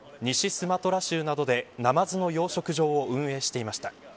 スマトラ州などでナマズの養殖場を運営していました。